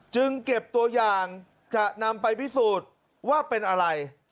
จึงเก็บตัวอย่างจะนำไปพิสูจน์ว่าเป็นอะไร